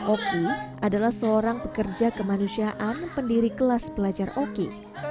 oki adalah seorang pekerja kemanusiaan pendiri kelas belajar oki